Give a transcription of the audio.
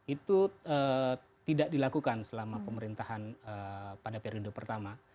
itu tidak dilakukan selama pemerintahan pada periode pertama